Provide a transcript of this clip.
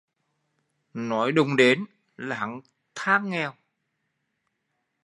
Nói đụng đến là hắn than nghèo